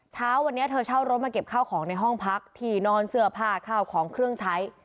เช้าวันนี้เธอเช่ารถมาเก็บข้าวของในห้องพักที่นอนเสื้อผ้าข้าวของเครื่องใช้